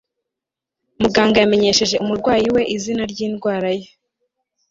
muganga yamenyesheje umurwayi we izina ryindwara ye